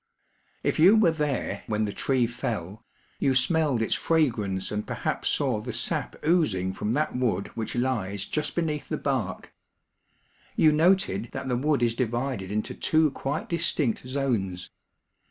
If you were there when the tree fell, you smelled its fragrance and perhaps saw the sap oozing from that wood which lies just beneath the bark. You noted that the wood is divided into two quite distinct zones.